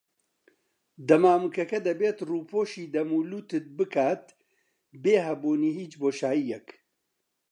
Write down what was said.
دەمامکەکە دەبێت ڕووپۆشی دەم و لوتت بکات بێ هەبوونی هیچ بۆشاییەک.